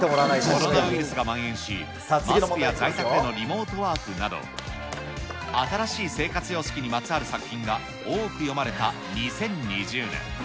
コロナウイルスがまん延し、リモートワークなど新しい生活様式にまつわる作品多く詠まれた２０２０年。